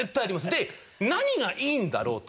で何がいいんだろうと。